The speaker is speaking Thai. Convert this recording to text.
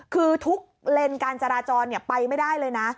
คือทุกเลนส์การจราจรไปไม่ได้เลยนะ